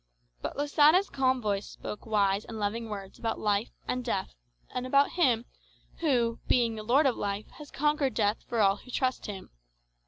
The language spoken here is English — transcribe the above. But Losada's calm voice spoke wise and loving words about life and death, and about Him who, being the Lord of life, has conquered death for all who trust him.